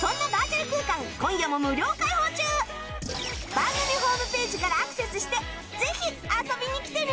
番組ホームページからアクセスしてぜひ遊びに来てね！